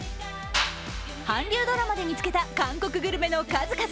韓流ドラマで見つけた韓国グルメの数々。